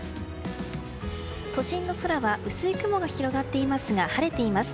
都心の空は薄い雲が広がっていますが、晴れています。